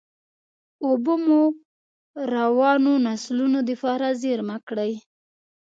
اوبه مو راروانو نسلونو دپاره زېرمه کړئ.